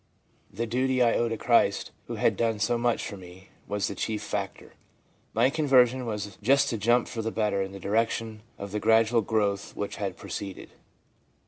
The duty I owe to Christ, who had done so much for me, was the chief factor. My conversion was just a jump for the better in the direction of the gradual growth which had preceded.'